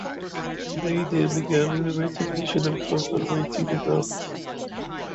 They then began renovating additional homes and renting them out.